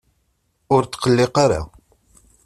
Ur tqelliq ara.